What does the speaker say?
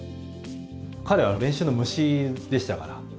彼はもう練習の虫でしたから。